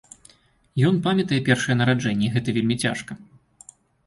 Ён памятае першае нараджэнне, і гэта вельмі цяжка.